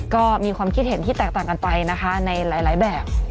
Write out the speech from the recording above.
ก็มีความคิดเห็นที่แตกต่างกันไปนะคะในหลายแบบ